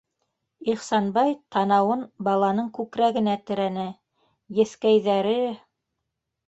Ихсанбай танауын баланың күкрәгенә терәне: еҫкәйҙәре!